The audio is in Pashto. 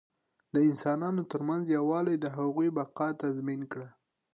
د انسانانو تر منځ یووالي د هغوی بقا تضمین کړه.